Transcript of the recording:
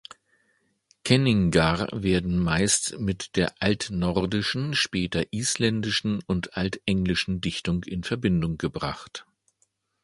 Kenningar werden meist mit der altnordischen, später isländischen und altenglischen Dichtung in Verbindung gebracht.